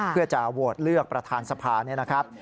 เพื่อจะโหวตเลือกประธานสภาเนี่ยนะครับ